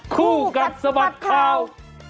คู่กับสมัครข่าว